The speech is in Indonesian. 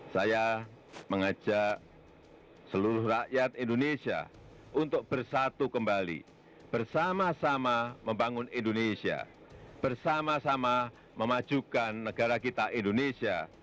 saya mengajak seluruh rakyat indonesia untuk bersatu kembali bersama sama membangun indonesia bersama sama memajukan negara kita indonesia